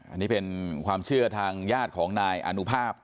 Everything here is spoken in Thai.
อันนี้เป็นความเชื่อทางญาติของนายอนุภาพ